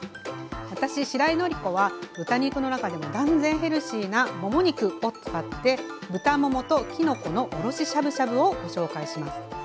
私しらいのりこは豚肉の中でも断然ヘルシーなもも肉を使って豚ももときのこのおろししゃぶしゃぶをご紹介します。